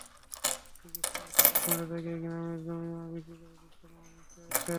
চিকিৎসার খরচ মেটাতে গিয়ে গ্রামের জমিজমা বিক্রি করে বৃদ্ধা মাও নিঃস্ব হয়েছেন।